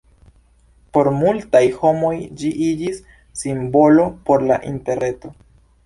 Por multaj homoj ĝi iĝis simbolo por la Interreto.